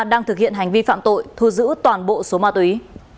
đang thực hiện hành vi phạm tội thu giữ toàn bộ số ma túy